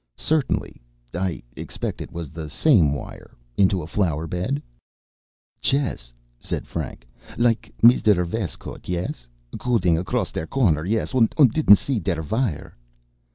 "Certainly. I expect it was the same wire. Into a flower bed." "Chess," said Frank. "Like Misder Vestcote, yes? Cudding across der corner, yes, und didn't see der vire?"